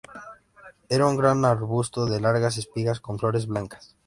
Era un gran arbusto de largas espigas con flores blancas.